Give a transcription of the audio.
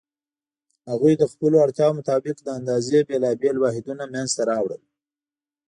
هغوی د خپلو اړتیاوو مطابق د اندازې بېلابېل واحدونه منځته راوړل.